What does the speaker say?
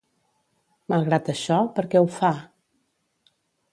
Malgrat això, per què ho fa?